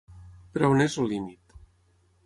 Però on és el límit?